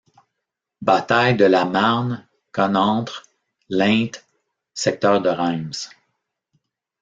Bataille de La Marne, Connantre, Linthes, secteur de Reims.